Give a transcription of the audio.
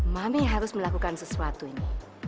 mami harus melakukan sesuatu ini